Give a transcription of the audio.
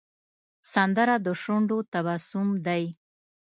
سندره د شونډو تبسم دی